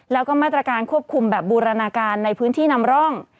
แล้วก็มาตรการควบคุมแบบบูรณาการในพื้นที่นำร่อง